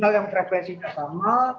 yang referensinya sama